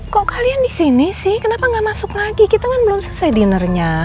kok kalian disini sih kenapa nggak masuk lagi kita kan belum selesai dinernya